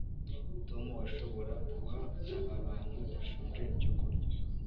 tom, washobora guha aba bantu bashonje icyo kurya